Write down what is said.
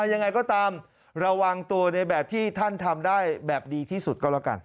ยังไงก็ตามระวังตัวในแบบที่ท่านทำได้แบบดีที่สุดก็แล้วกัน